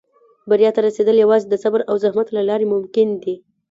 • بریا ته رسېدل یوازې د صبر او زحمت له لارې ممکن دي.